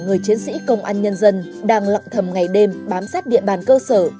người chiến sĩ công an nhân dân đang lặng thầm ngày đêm bám sát địa bàn cơ sở